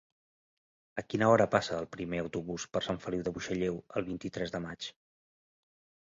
A quina hora passa el primer autobús per Sant Feliu de Buixalleu el vint-i-tres de maig?